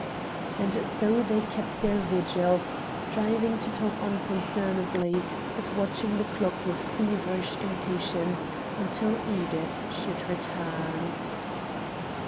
And so they kept their vigil, striving to talk unconcernedly, but watching the clock with feverish impatience until Edith should return.